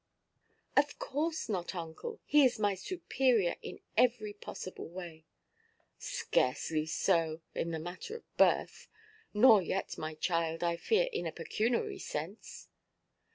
"Of course not, uncle. He is my superior in every possible way." "Scarcely so, in the matter of birth; nor yet, my child, I fear, in a pecuniary sense."